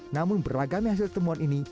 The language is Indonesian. namun beragam hasil temuan ini